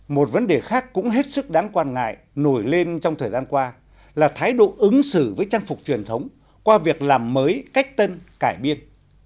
một vấn đề khác cũng hết sức đáng quan ngại nổi lên trong thời gian qua là thái độ ứng xử với trang phục truyền thống qua việc làm mới cách tân cải biên